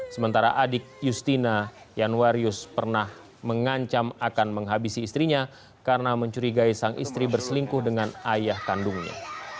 sementara adik justina yanwarius pernah mengancam akan menghabisi istrinya karena mencurigai sang istri berselingkuh dengan ayah kandungnya